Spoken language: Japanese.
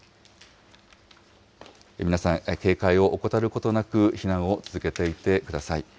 皆さん、警戒を怠ることなく避難を続けていてください。